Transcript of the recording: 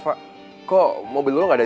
aku mau mungkin mencoba